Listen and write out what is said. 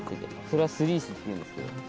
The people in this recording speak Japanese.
それは「すり石」っていうんですけど。